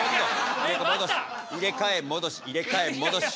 入れかえ戻し入れかえ戻し。